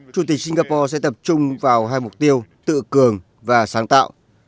chủ tịch singapore sẽ tập trung vào hai mục tiêu tự cường và sáng tạo